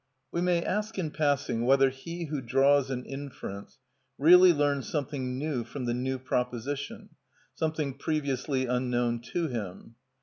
We may ask in passing whether he who draws an inference really learns something new from the new proposition, something previously unknown to him?